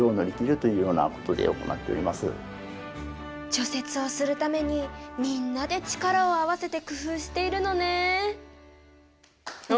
除雪をするためにみんなで力を合わせて工夫しているのね。